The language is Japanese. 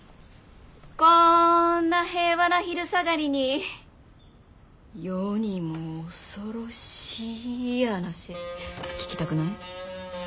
こんな平和な昼下がりに世にも恐ろしい話聞きたくない？